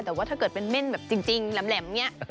แต่ว่าถ้าเกิดเป็นเม่นแบบจริงแหลมอย่างนี้